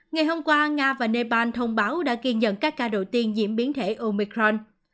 ngày hôm qua nga và nepal thông báo đã kiên nhận các ca đầu tiên diễn biến thể omicron